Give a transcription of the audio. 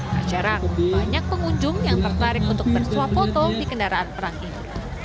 tak jarang banyak pengunjung yang tertarik untuk bersuap foto di kendaraan perang ini